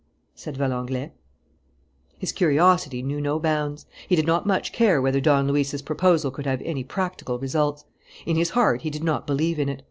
said Valenglay. His curiosity knew no bounds. He did not much care whether Don Luis's proposal could have any practical results. In his heart he did not believe in it.